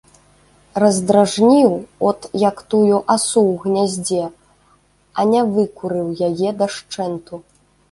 Раздражніў, от як тую асу ў гняздзе, а не выкурыў яе дашчэнту.